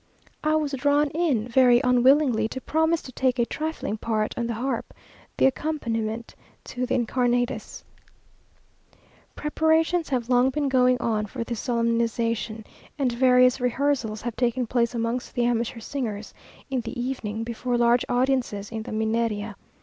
I was drawn in, very unwillingly, to promise to take a trifling part on the harp, the accompaniment to the Incarnatus. Preparations have long been going on for this solemnization, and various rehearsals have taken place amongst the amateur singers, in the evening, before large audiences in the Mineria.